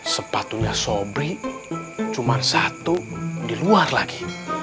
sepatunya sobri cuma satu di luar lagi